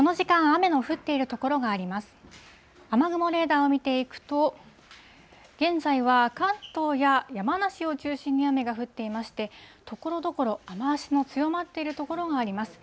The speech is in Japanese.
雨雲レーダーを見ていくと、現在は関東や山梨を中心に雨が降っていまして、ところどころ、雨足の強まっている所があります。